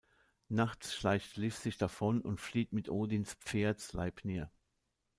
Nachts schleicht Lif sich davon und flieht mit Odins Pferd Sleipnir.